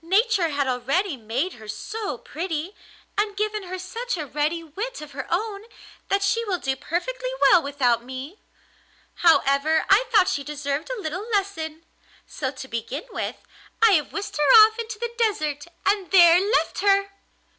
Nature had already made her so pretty, and given her such a ready wit of her own, that she will do perfectly well without me. However, I thought she deserved a little lesson, so to begin with I have whisked her off into the desert, and there left her!